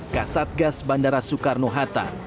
kasatgas bandara soekarno hatta